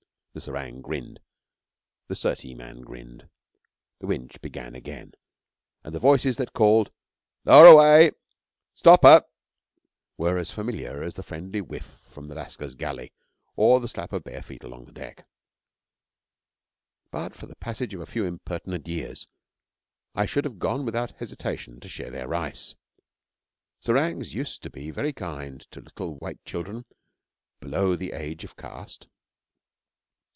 The serang grinned; the Surtee man grinned; the winch began again, and the voices that called: 'Lower away! Stop her!' were as familiar as the friendly whiff from the lascars' galley or the slap of bare feet along the deck. But for the passage of a few impertinent years, I should have gone without hesitation to share their rice. Serangs used to be very kind to little white children below the age of caste.